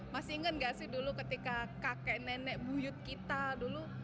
masih ingat gak sih dulu ketika kakek nenek buyut kita dulu